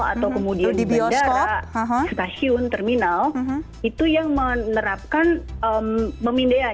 atau kemudian bandara stasiun terminal itu yang menerapkan pemindaian